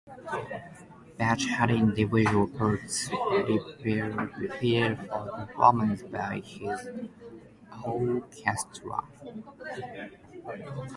Bach had individual parts prepared for performance by his orchestra.